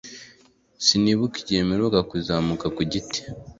Sinibuka igihe mperuka kuzamuka ku giti.